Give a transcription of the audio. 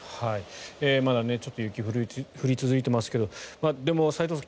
まだちょっと雪が降り続いていますけどでも、齋藤さん